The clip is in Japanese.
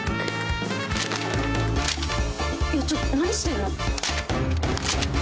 ちょっと何してんの？